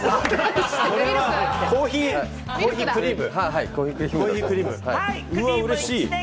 これはコーヒークリーム？